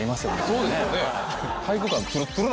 そうですよね。